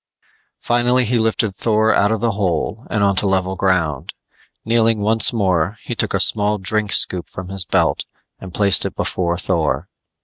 Finally he lifted Thor out of the hole and onto level ground. Kneeling once more, he took a small drink scoop from his belt and placed it before Thor.